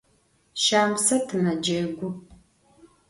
Şamset mecegu.